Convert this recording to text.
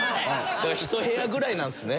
一部屋ぐらいなんですね